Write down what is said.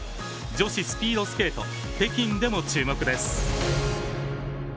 女子スピードスケート北京でも注目です。